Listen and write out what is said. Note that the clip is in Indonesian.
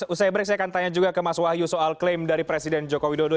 usai break saya akan tanya juga ke mas wahyu soal klaim dari presiden joko widodo